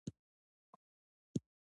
ملکیار هوتک د پښتو ژبې یو پخوانی شاعر دی.